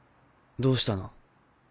どうしたの？